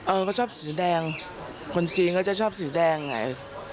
เขาชอบสีแดงคนจีนเขาจะชอบสีแดงไง